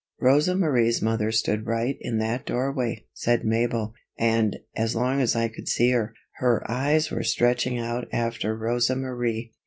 "Rosa Marie's mother stood right in that doorway," said Mabel, "and, as long as I could see her, her eyes were stretching out after Rosa Marie."